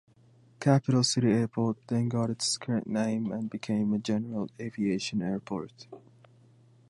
Capital City Airport then got its current name and became a general aviation airport.